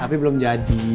tapi belum jadi